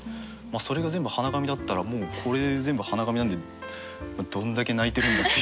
それが全部鼻紙だったらもうこれ全部鼻紙なんでどんだけ泣いてるんだっていう。